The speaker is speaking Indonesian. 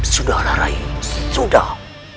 sudahlah rai sudah